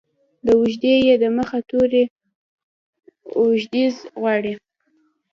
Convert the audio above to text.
د اوږدې ې د مخه توری اوږدزير غواړي.